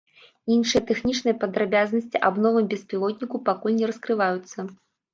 Іншыя тэхнічныя падрабязнасці аб новым беспілотніку пакуль не раскрываюцца.